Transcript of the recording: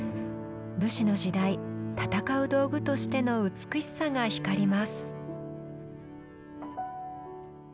武士の時代戦う道具としての美しさが光ります。